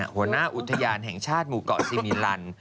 หัวหน้าอุทยานแห่งชาติหมู่เกาะซีมิลัน